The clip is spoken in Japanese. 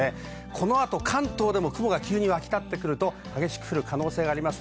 この後、関東でも雲が急に沸き立ってくると激しく降る可能性があります。